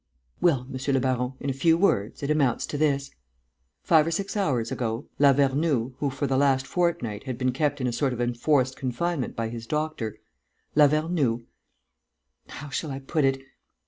"Well, monsieur le baron, in a few words, it amounts to this: five or six hours ago, Lavernoux, who, for the last fortnight, had been kept in a sort of enforced confinement by his doctor, Lavernoux how shall I put it?